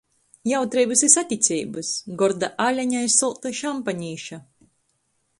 Jautreibys i saticeibys! Gorda aleņa i solta šampanīša!